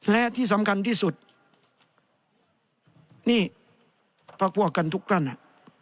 และที่สำคัญที่สุดนี่พักพวกกันทุกท่านอ่ะ